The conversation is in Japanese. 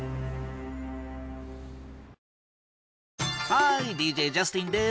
ハーイＤＪジャスティンです。